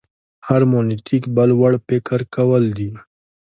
هرمنوتیک بل وړ فکر کول دي.